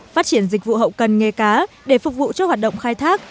phát triển dịch vụ hậu cần nghề cá để phục vụ cho hoạt động khai thác